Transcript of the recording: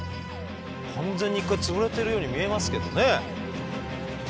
完全に一回潰れてるように見えますけどね。